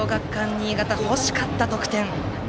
新潟、欲しかった得点。